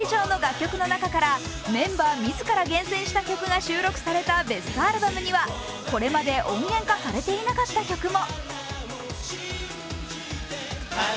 全４００曲以上の楽曲の中からメンバー自ら厳選した曲が収録されたベストアルバムにはこれまで音源化されていなかった曲も。